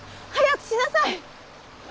早くしなさい！